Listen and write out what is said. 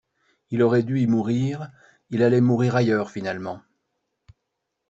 Il aurait dû y mourir, il allait mourir ailleurs finalement.